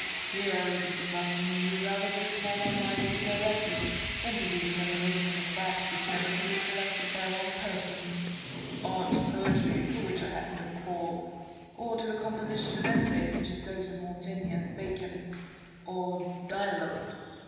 Newton. Here are reasons enough for me rather to apply my mind as you direct it, than to the examination of facts which never can be collected by one person ; or to poetry, for which I have no call ; or to the composition of essays, such as those of Montaigne and Bacon; or dialogues, 33 T94 IMA GINAR V CONVERSA TIONS.